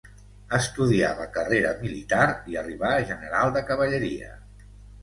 Estudià la carrera militar i arribà a general de cavalleria.